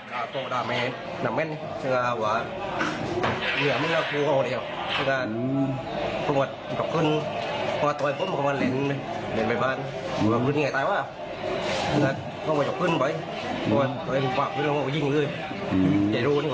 แล้วเขามาจับขึ้นไปตอนนั้นเขาบอกว่ายิงเลยอย่ารู้ว่านี่ก็ยิงไปแล้ว